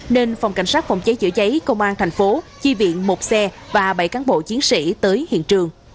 công an tp hcm chi viện một xe và bảy cán bộ chiến sĩ tới hiện trường